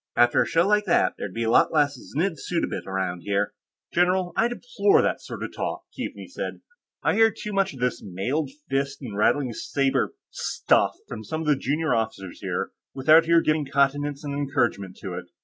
After a show like that, there'd be a lot less znidd suddabit around here." "General, I deplore that sort of talk," Keaveney said. "I hear too much of this mailed fist and rattling saber stuff from some of the junior officers here, without your giving countenance and encouragement to it.